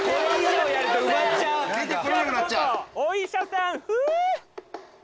「お医者さん」フゥ！